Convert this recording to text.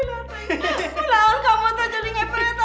mulai awal kamu tuh jadi ngepetan banget irah